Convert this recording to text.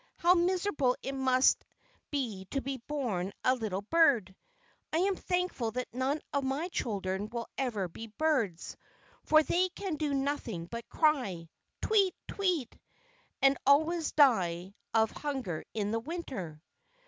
How miserable it must be to be born a little bird! I am thankful that none of my children will ever be birds, for they can do nothing but cry, 'Tweet, tweet,' and always die of hunger in the Winter."